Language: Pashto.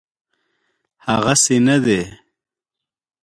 هغسي نه دی.